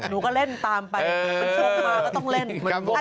หนูก็เล่นตามไปมันชกมาก็ต้องเล่น